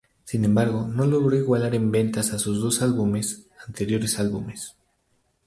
Sin embargo, no logró igualar en ventas a sus dos álbumes anteriores álbumes.